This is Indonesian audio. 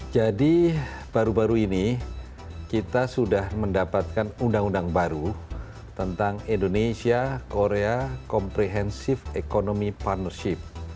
jadi baru baru ini kita sudah mendapatkan undang undang baru tentang indonesia korea comprehensive economy partnership